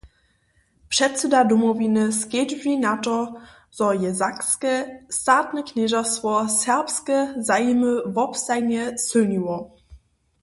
Předsyda Domowiny skedźbni na to, zo je sakske statne knježerstwo serbske zajimy wobstajnje sylniło.